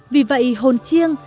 vì vậy hồn chiêng